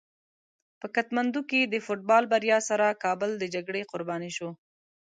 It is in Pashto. په کتمندو کې د فوټبال بریا سره کابل د جګړې قرباني شو.